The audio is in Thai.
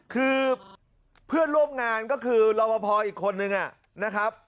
คือเพื่อนร่วมงานก็คือรอบพออีกคนนึงนะครับ